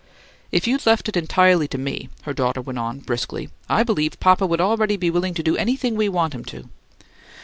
"If you'd left it entirely to me," her daughter went on, briskly, "I believe papa'd already be willing to do anything we want him to."